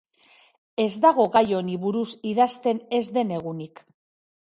Ez dago gai honi buruz idazten ez den egunik.